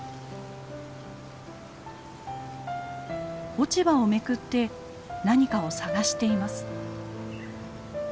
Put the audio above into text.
落ち葉をめくって何かを探しています。